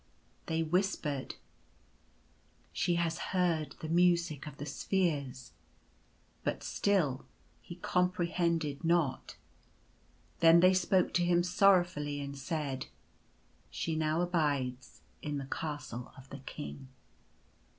They whispered, " She has heard the Music of the Spheres/ ' but still he comprehended not. Then they spoke to him sorrowfully and said :" She now abides in the Castle of the King."